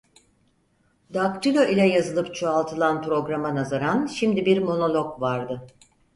Daktilo ile yazılıp çoğaltılan programa nazaran şimdi bir monolog vardı.